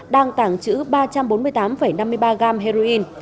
đang tàng trữ ba trăm bốn mươi tám năm mươi ba gram heroin